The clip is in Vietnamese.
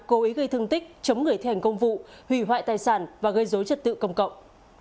cố ý gây thương tích chống người thi hành công vụ hủy hoại tài sản và gây dối trật tự công cộng